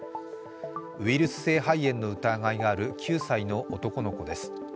ウイルス性肺炎の疑いがある９歳の男の子です。